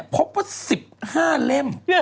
เพราะว่า๑๕เล่ม